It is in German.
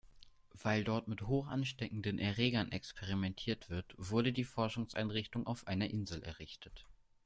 Weil dort mit hochansteckenden Erregern experimentiert wird, wurde die Forschungseinrichtung auf einer Insel errichtet.